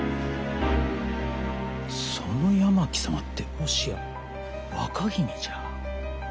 その八巻様ってもしや若君じゃ？